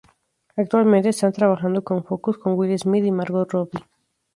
Actualmente, están trabajando con "Focus", con Will Smith y Margot Robbie.